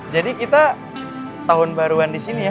jadi kita tahun baruan di sini ya